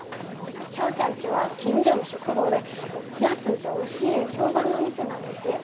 翔ちゃんちは近所の食堂で安うておいしいいう評判の店なんどすえ。